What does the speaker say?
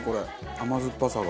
甘酸っぱさが。